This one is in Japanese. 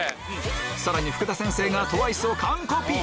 さらに福田先生がＴＷＩＣＥを完コピ！